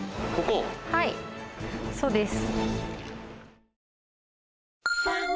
はいそうです。